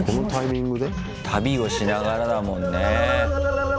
旅をしながらだもんね。